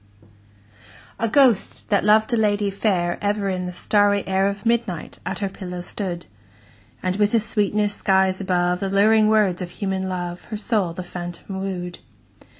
A ghost, that loved a lady fair, Ever in the starry air Of midnight at her pillow stood; And, with a sweetness skies above The luring words of human love, Her soul the phantom wooed.